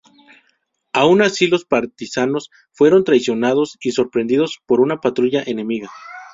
Aun así los partisanos fueron traicionados y sorprendidos por una patrulla enemiga.